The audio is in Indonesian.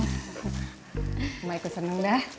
oh my god seneng dah